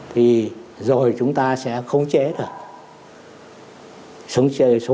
thì rồi chúng ta sẽ không chế được